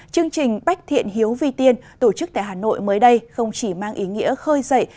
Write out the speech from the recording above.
chương trình bách thiện hiếu vi tiên tổ chức tại hà nội mới đây không chỉ mang ý nghĩa khơi dậy